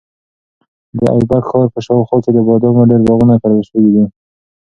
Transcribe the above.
د ایبک ښار په شاوخوا کې د بادامو ډېر باغونه کرل شوي دي.